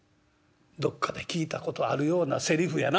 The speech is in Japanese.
「どっかで聞いたことあるようなセリフやな。